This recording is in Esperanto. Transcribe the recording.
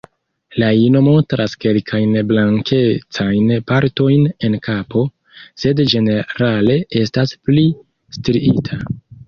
La ino montras kelkajn blankecajn partojn en kapo, sed ĝenerale estas pli striita.